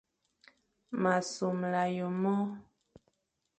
M a somla ye môr.